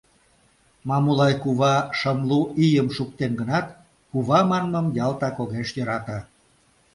Мамулай кува шымлу ийым шуктен гынат, «кува» манмым ялтак огеш йӧрате.